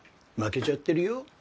負けちゃってるよ